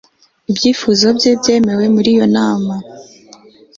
ibyifuzo bye byemejwe muri iyo nama